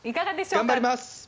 頑張ります！